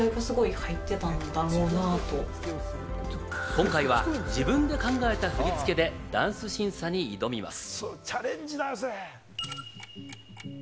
今回は自分が考えた振り付けでダンス審査に挑みます。